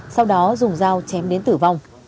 sau đó dùng dao chém đến tử vong